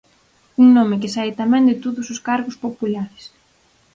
Un nome que sae tamén de todos os cargos populares.